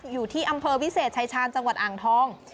อยู่ที่อำเภอวิเศษชายชาญจังหวัดอ่างทอง